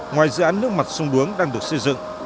ngoài dự án nước mặt sông đuống đang được xây dựng